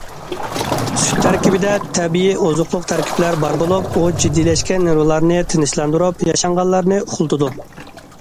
سۈت تەركىبىدە تەبىئىي ئوزۇقلۇق تەركىبلەر بار بولۇپ، ئۇ جىددىيلەشكەن نېرۋىلارنى تىنچلاندۇرۇپ، ياشانغانلارنى ئۇخلىتىدۇ.